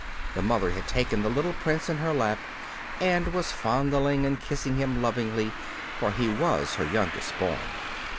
The mother had taken the little Prince in her lap and was fondling and kissing him lovingly, for he was her youngest born.